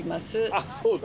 あっそうだ。